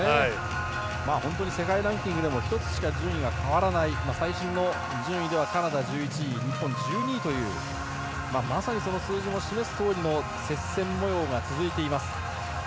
本当に世界ランキングでも１つしか順位が変わらない最新の順位ではカナダ１１位日本１２位というまさにその数字の示すとおりの接戦模様が続いています。